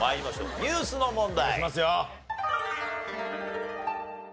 ニュースの問題。